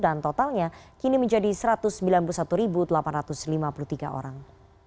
dan totalnya kini menjadi satu ratus sembilan puluh satu delapan ratus lima puluh tiga orang